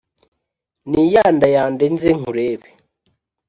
niyandayande nze nkurebe